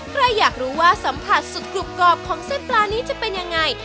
ใครอยากรู้ว่าสัมผัสสุดกรุบกรอบของเส้นปลานี้จะเป็นยังไง